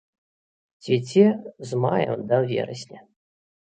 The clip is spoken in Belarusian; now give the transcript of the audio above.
Цвіце з мая да верасня.